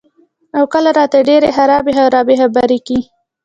او کله راته ډېرې خرابې خرابې خبرې کئ " ـ